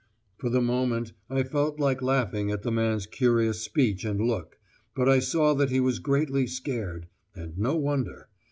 For the moment I felt like laughing at the man's curious speech and look, but I saw that he was greatly scared: and no wonder.